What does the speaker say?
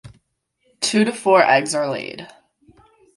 Two to four eggs are laid.